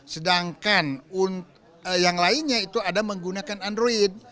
sedangkan yang lainnya itu ada menggunakan android